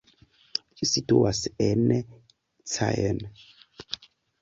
Ĝi situas en Caen.